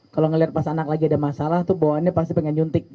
kalau ngelihat pas anak lagi ada masalah tuh bawaannya pasti pengen nyuntik